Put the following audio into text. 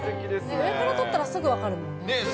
上から撮ったらすぐ分かるもんね。